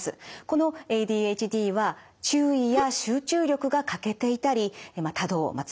このＡＤＨＤは注意や集中力が欠けていたり多動まあ